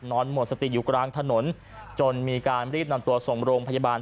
หมดสติอยู่กลางถนนจนมีการรีบนำตัวส่งโรงพยาบาล